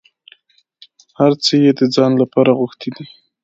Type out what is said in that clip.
هر څه یې د ځان لپاره غوښتي دي.